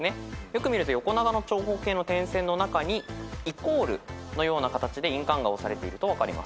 よく見ると横長の長方形の点線の中にイコールのような形で印鑑が押されていると分かります。